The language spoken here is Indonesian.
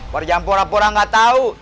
warjaan pora pora gak tahu